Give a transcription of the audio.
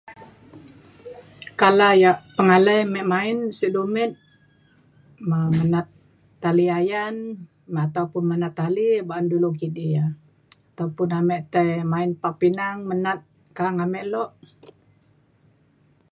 kala ya' pengalai mik main sen dumit um menat tali ayan ataupun menat tali ba'an du kidi e. taupun amik tai main pa pinang menat ka'ang amik luk.